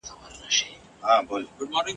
دا سورت په اسلام کي د علم ارزښت څرګندوي.